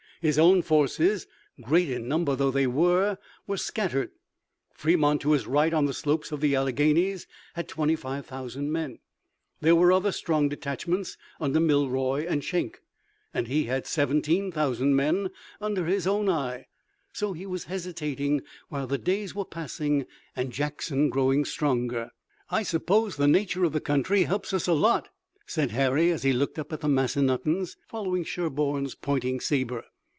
His own forces, great in number though they were, were scattered. Fremont to his right on the slopes of the Alleghanies had 25,000 men; there were other strong detachments under Milroy and Schenck, and he had 17,000 men under his own eye. So he was hesitating while the days were passing and Jackson growing stronger. "I suppose the nature of the country helps us a lot," said Harry as he looked up at the Massanuttons, following Sherburne's pointing saber.